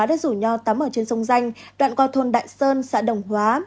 đã rủ nhau tắm ở trên sông danh đoạn qua thôn đại sơn xã đồng hóa